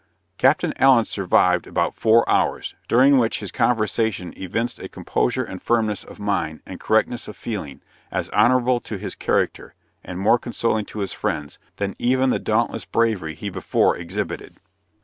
Captain Allen survived about four hours, during which his conversation evinced a composure and firmness of mind, and correctness of feeling, as honorable to his character, and more consoling to his friends, than even the dauntless bravery he before exhibited.